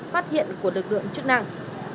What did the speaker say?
phát hiện của lực lượng chức năng